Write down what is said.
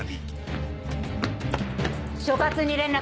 所轄に連絡。